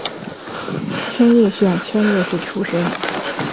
千叶县千叶市出身。